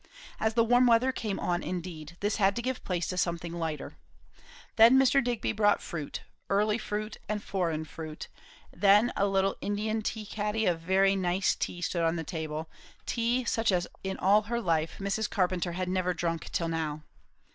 As the warm weather came on indeed, this had to give place to something lighter. Then Mr. Digby brought fruit; early fruit, and foreign fruit; then a little India tea caddy of very nice tea stood on the table; tea such as in all her life Mrs. Carpenter had never drunk till now.